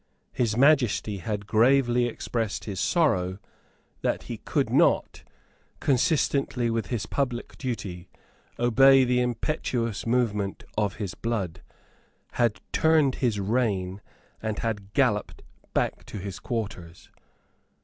His Majesty had gravely expressed his sorrow that he could not, consistently with his public duty, obey the impetuous movement of his blood, had turned his rein, and had galloped back to his quarters.